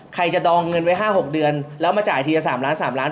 ใครจะดองเงินไว้๕๖เดือนแล้วมาจ่ายทีละ๓ล้าน๓ล้าน